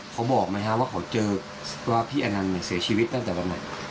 เขาบอกไหมคะว่าเขาเจอว่าพี่อันนันเนี่ยเสียชีวิตตั้งแต่วันหนึ่ง